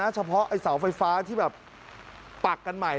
เฉพาะเสาไฟฟ้าที่ปากกันใหม่